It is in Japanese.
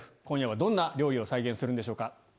今夜はどんな料理を再現するんでしょうか？